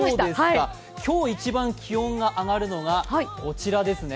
今日一番気温が上がるのがこちらですね